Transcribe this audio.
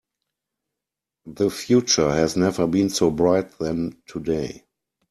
The future has never been so bright than today.